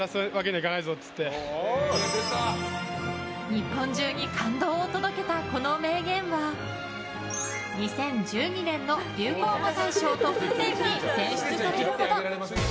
日本中に感動を届けたこの名言は２０１２年の流行語大賞トップ１０に選出されるほど。